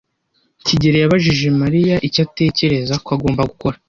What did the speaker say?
kigeli yabajije Mariya icyo atekereza ko agomba gukora.